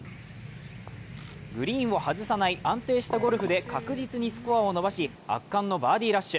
グリーンを外さない安定したゴルフで確実にスコアを伸ばし、圧巻のバーディーラッシュ。